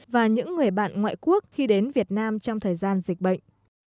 và những người bạn ngoại quốc khi đến việt nam trong thời gian dịch bệnh